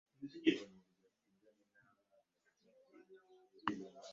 Asomesa ku ndabirira ennungi ey’omwana ng’alaga by’alina okulya ne by’otalina kumuwa.